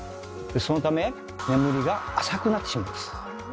そのため眠りが浅くなってしまいます。